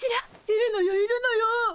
いるのよいるのよ。